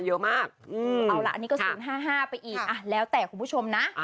เยอะมากเอาล่ะอันนี้ก็๐๕๕ไปอีกแล้วแต่คุณผู้ชมนะ